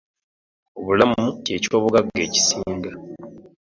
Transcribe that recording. Obulamu kye ky'obuggaga ekisinga.